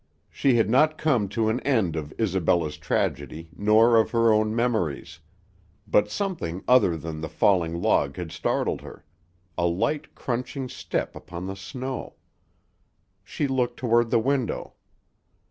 She had not come to an end of Isabella's tragedy nor of her own memories, but something other than the falling log had startled her; a light, crunching step upon the snow. She looked toward the window.